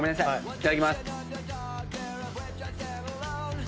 いただきます。